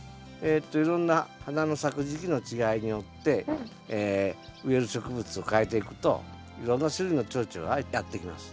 いろんな花の咲く時期の違いによって植える植物をかえていくといろんな種類のチョウチョがやって来ます。